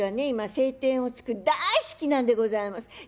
今「青天を衝け」大好きなんでございます。